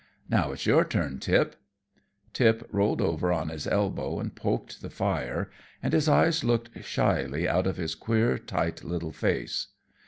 "Now it's your turn, Tip." Tip rolled over on his elbow and poked the fire, and his eyes looked shyly out of his queer, tight little face.